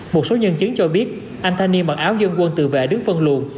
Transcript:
một số nhân chứng cho biết anh thanh niên mặc áo dân quân tự vệ đứng phân luồn